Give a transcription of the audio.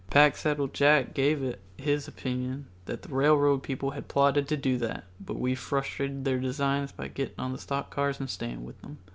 Packsaddle Jack gave it as his opinion that the railroad people had plotted to do that, but we frustrated their designs by getting on the stock cars and staying with them.